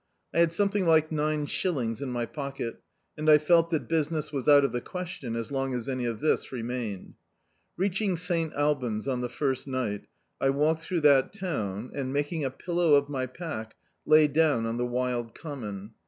I had something like nine shill ings m my pocket, and I felt that business was out of the question as long as any of this remained. Reaching St. Albans on the first ni^t, I walked through that town, and, making a pillow of my pack, lay down on the wild common.